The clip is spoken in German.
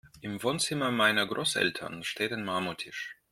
Im Wohnzimmer meiner Großeltern steht ein Marmortisch.